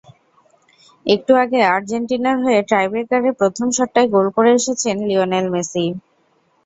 একটু আগে আর্জেন্টিনার হয়ে টাইব্রেকারে প্রথম শটটায় গোল করে এসেছেন লিওনেল মেসি।